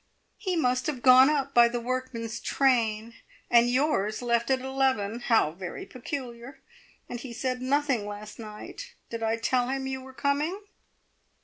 "He must have gone up by the workman's train. And yours left at eleven. How very peculiar! And he said nothing last night. ... Did I tell him you were coming?"